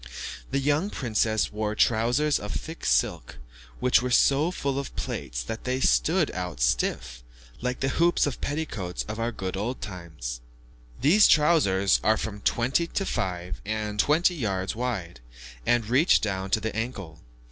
The young princess wore trousers of thick silk, which were so full of plaits that they stood out stiff, like the hooped petticoats of our good old times. These trousers are from twenty to five and twenty yards wide, and reach down to the ankle.